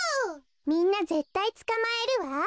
みんなぜったいつかまえるわ。